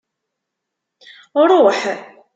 Ṛuḥ!